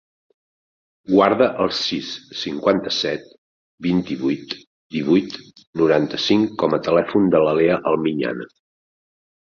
Guarda el sis, cinquanta-set, vint-i-vuit, divuit, noranta-cinc com a telèfon de la Lea Almiñana.